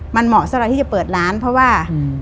มันเหมาะสำหรับที่จะเปิดร้านเพราะว่า